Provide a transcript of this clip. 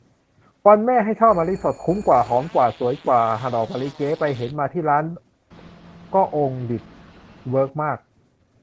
วันแม่ ให้ช่อมะลิสด คุ้มกว่า หอมกว่า สวยกว่า ดอกมะลิเก๊ ไปเห็นมาที่ร้านก็องดิด เวิร์กมาก